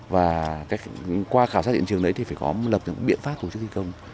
và qua khảo sát hiện trường đấy thì phải có lập những biện pháp tổ chức thi công